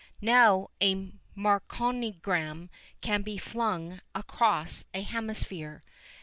Now a marconigram can be flung across a hemisphere.